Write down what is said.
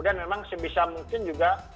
dan memang sebisa mungkin juga